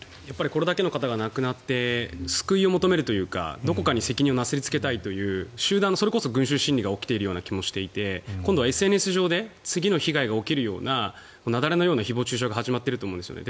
これだけの方が亡くなって救いを求めるというかどこかに責任をなすりつけたいという集団の、それこそ群衆心理が起きているような気がして今度はＳＮＳ上で次の被害が起きるような雪崩のような誹謗・中傷が始まっていると思うんですよね。